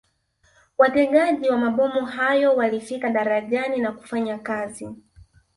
Wategaji wa mabomu hayo walifika darajani na kufanya kazi